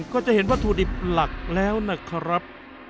ก็จะเห็นวัตถุดิบหลักแล้วนะครับ